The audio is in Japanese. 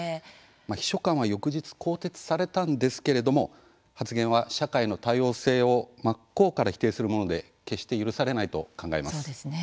秘書官は翌日更迭されたんですけれども発言は社会の多様性を真っ向から否定するもので決して許されないと考えます。